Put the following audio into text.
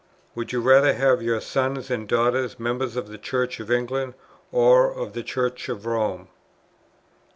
Would you rather have your sons and daughters members of the Church of England or of the Church of Rome?"